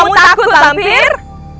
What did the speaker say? kamu takut bambir